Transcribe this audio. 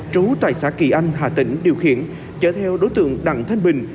trú tại xã kỳ anh hà tĩnh điều khiển chở theo đối tượng đặng thanh bình